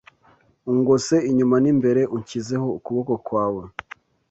Ungose inyuma n’imbere Unshyizeho ukuboko kwawe